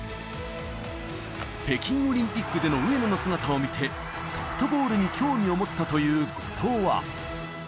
北京オリンピックでの上野の姿を見て、ソフトボールに興味を持ったという後藤は。